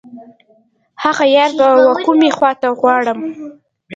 هغه یار به زه و کومې خواته غواړم.